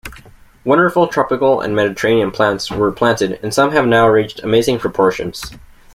Wonderful tropical and Mediterranean plants were planted and some have now reached amazing proportions.